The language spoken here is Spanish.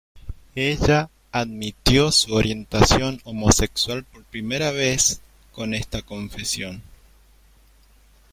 Ella admitió su orientación homosexual por primera vez con esta confesión.